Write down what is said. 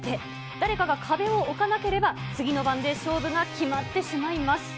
誰かが壁を置かなければ次の番で勝負が決まってしまいます。